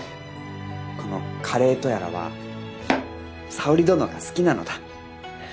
この華令江とやらは沙織殿が好きなのだ。